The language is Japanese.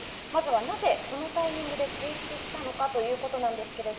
なぜこのタイミングで提出したのかということです。